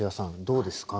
どうですか？